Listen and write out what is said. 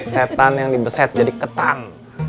setan yang dibeset jadi ketang